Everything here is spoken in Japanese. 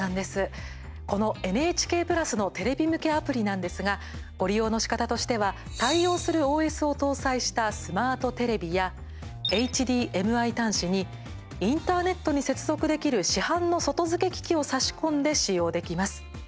このＮＨＫプラスのテレビ向けアプリなんですがご利用のしかたとしては対応するＯＳを搭載したスマートテレビやＨＤＭＩ端子にインターネットに接続できる市販の外付け機器を差し込んで使用できます。